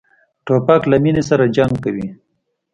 توپک له مینې سره جنګ کوي.